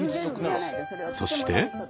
そして。